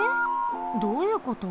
どういうこと？